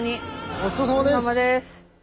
ごちそうさまです！